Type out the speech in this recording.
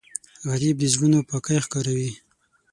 غریب د زړونو پاکی ښکاروي